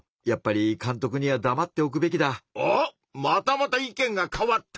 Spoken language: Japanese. またまた意見が変わった！